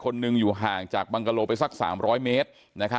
หนึ่งอยู่ห่างจากบังกะโลไปสัก๓๐๐เมตร